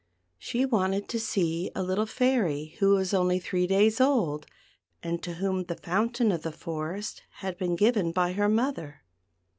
She wanted to see a little fairy who was only three days old, and to whom the fountain of the forest had been given by her mother.